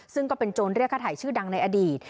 ซึ่งก็เป็นโจรเรียกค่าถ่ายชื่อดังในอดีต